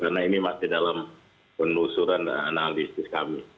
karena ini masih dalam penelusuran dan analisis kami